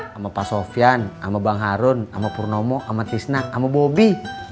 sama pak sofyan sama bang harun sama purnomo sama tisnak sama bobi